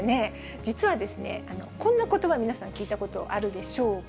実はですね、こんなことば、皆さん、聞いたことあるでしょうか。